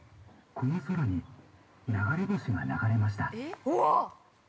◆この空に流れ星が流れました。